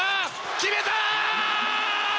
決めた！